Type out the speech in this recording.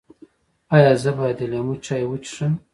ایا زه باید د لیمو چای وڅښم؟